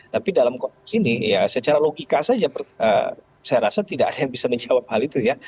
tapi dalam konteks ini ya secara logika saja saya rasa tidak ada yang bisa menjawab hal itu ya